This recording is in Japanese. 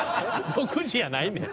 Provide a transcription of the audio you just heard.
「６じ」やないねん！